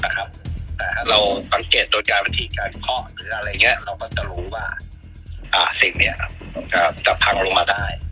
เราบังเกตตัวการพิธีการคลอดเราก็จะรู้ว่าสิ่งนี้จะพังลงมาได้